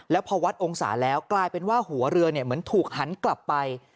แล้วพอวัดองศาแล้วกลายเป็นว่าหัวเรือเหมือนถูกหันกลับไป